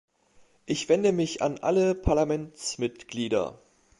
Ich wende mich an alle Parlamentsmitglieder.